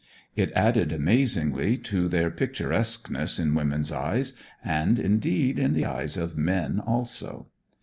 It added amazingly to their picturesqueness in women's eyes, and, indeed, in the eyes of men also.